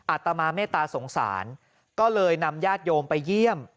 อาตมาเมตตาสงสารก็เลยนำญาติโยมไปเยี่ยม